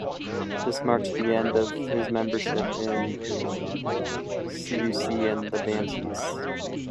This marked the end of his membership in Siouxsie and the Banshees.